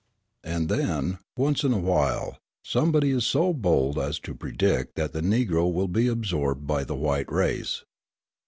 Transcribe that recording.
And then, once in a while, somebody is so bold as to predict that the Negro will be absorbed by the white race.